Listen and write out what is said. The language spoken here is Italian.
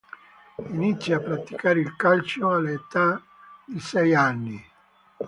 Inizia a praticare il calcio all'età di sei anni.